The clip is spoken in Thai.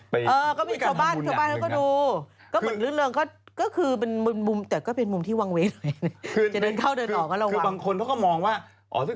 ไปทำบุญอย่างหนึ่งนะเออก็มีก็เป็นโชว์บ้านโชว์บ้านแล้วก็ดู